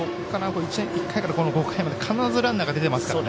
１回から５回まで必ずランナーが出ていますからね。